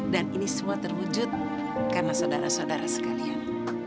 dan ini semua terwujud karena saudara saudara sekalian